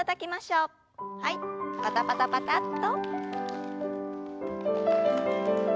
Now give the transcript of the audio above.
パタパタパタッと。